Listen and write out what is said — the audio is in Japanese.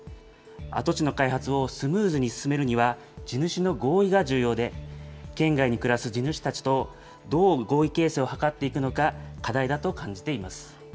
跡地の開発をスムーズに進めるには、地主の合意が重要で、県外に暮らす地主たちと、どう合意形成を図っていくのか、課題だと感じています。